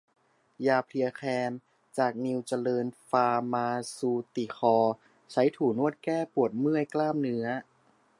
ยาเพลียแคม จากนิวเจริญฟาร์มาซูติคอล ใช้ถูนวดแก้ปวดเมื่อยกล้ามเนื้อ